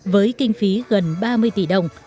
với kinh phí gần ba mươi tỷ đồng